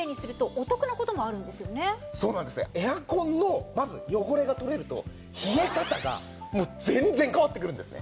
エアコンのまず汚れが取れると冷え方が全然変わってくるんです。